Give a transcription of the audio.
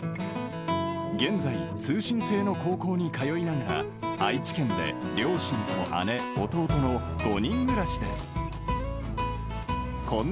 現在、通信制の高校に通いながら愛知県で両親と姉、弟の５人暮らしです。